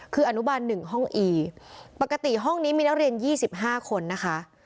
คืออนุบาล๑ห้องอีปกติห้องนี้มีนักเรียน๒๕คนนะคะ